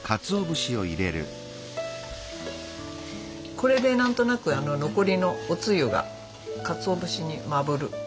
これで何となく残りのおつゆがかつお節にまぶる。